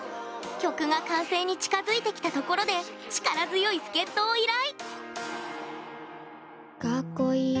曲が完成に近づいてきたところで力強い助っ人を依頼。